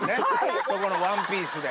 そこの１ピースで。